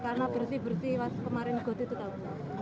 karena berhenti berhenti kemarin got itu takut